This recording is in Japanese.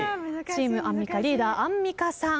チームアンミカリーダーアンミカさん。